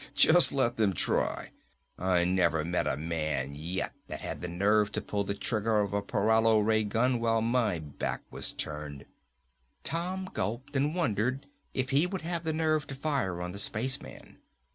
"Just let them try. I never met a man yet that had the nerve to pull the trigger of a paralo ray gun while my back was turned." Tom gulped and wondered if he would have the nerve to fire on the spaceman.